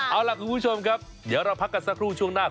เอาล่ะคุณผู้ชมครับเดี๋ยวเราพักกันสักครู่ช่วงหน้า